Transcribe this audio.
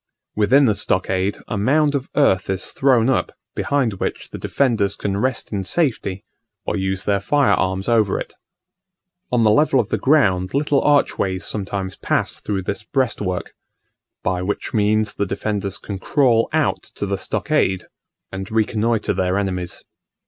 Within the stockade a mound of earth is thrown up, behind which the defenders can rest in safety, or use their fire arms over it. On the level of the ground little archways sometimes pass through this breastwork, by which means the defenders can crawl out to the stockade and reconnoitre their enemies.